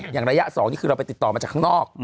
ระยะ๒นี่คือเราไปติดต่อมาจากข้างนอก